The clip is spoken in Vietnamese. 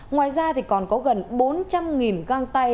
ngoài ra còn có gần bốn trăm linh găng tay